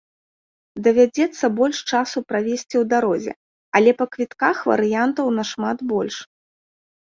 Давядзецца больш часу правесці ў дарозе, але па квітках варыянтаў нашмат больш.